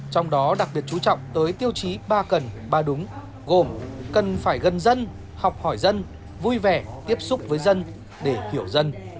trong đó đặc biệt chú trọng tới tiêu chí ba cần ba đúng gồm cần phải gần dân học hỏi dân vui vẻ tiếp xúc với dân để hiểu dân